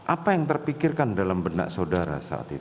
apa yang terpikirkan dalam benak saudara saat itu